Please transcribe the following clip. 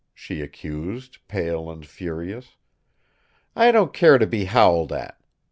she accused, pale and furious. "I don't care to be howled at.